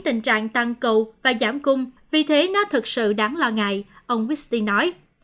tình trạng tăng cầu và giảm cung vì thế nó thực sự đáng lo ngại ông wisti nói